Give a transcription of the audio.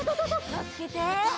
きをつけて！